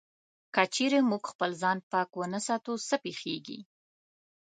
که چېرې موږ خپل ځان پاک و نه ساتو، څه پېښيږي؟